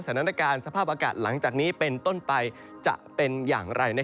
สถานการณ์สภาพอากาศหลังจากนี้เป็นต้นไปจะเป็นอย่างไร